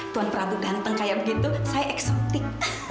tuan prabu ganteng kayak begitu saya eksotik